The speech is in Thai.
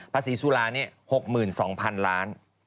ภาษีสุรา๖๒๐๐๐ล้านบาท